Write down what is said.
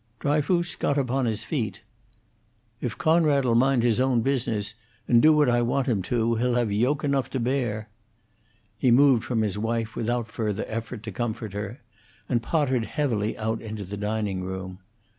Dryfoos got upon his feet. "If Coonrod 'll mind his own business, and do what I want him to, he'll have yoke enough to bear." He moved from his wife, without further effort to comfort her, and pottered heavily out into the dining room.